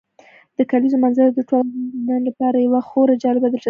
د کلیزو منظره د ټولو افغان ځوانانو لپاره یوه خورا جالب دلچسپي لري.